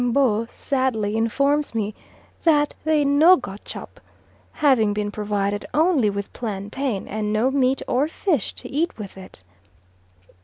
M'bo sadly informs me that "they no got chop," having been provided only with plantain, and no meat or fish to eat with it.